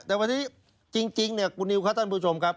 แต่ว่าที่จริงเนี่ยกูนิวค่ะท่านผู้ชมครับ